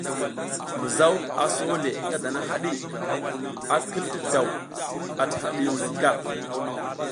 Mizaw a sole ngadana haɗi, a kil ti daw ati hadiyung le gar.